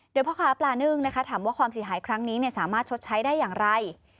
โดยพ่อค้าปลานึ่งนะคะถามว่าความเสียหายครั้งนี้สามารถชดใช้ได้อย่างไร